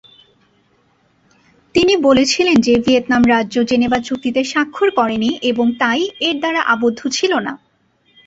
তিনি বলেছিলেন যে ভিয়েতনাম রাজ্য জেনেভা চুক্তিতে স্বাক্ষর করেনি এবং তাই এর দ্বারা আবদ্ধ ছিল না।